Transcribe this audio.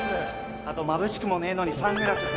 あとまぶしくもねえのにサングラスする奴！